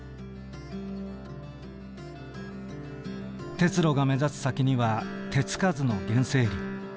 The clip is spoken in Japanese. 鉄路が目指す先には手付かずの原生林。